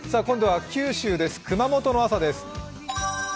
今度は九州です、熊本です。